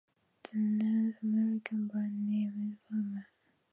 The North American brand name is "Famima!!".